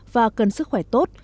và cần sức khỏe tốt